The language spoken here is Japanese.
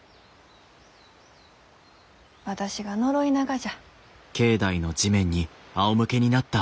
私が呪いながじゃ。